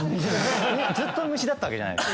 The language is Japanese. ずっとむしだったわけじゃない。